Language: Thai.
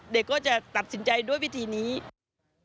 ผู้สื่อข่าวก็ได้ไปคุยกับเพื่อนของน้องที่เสียชีวิต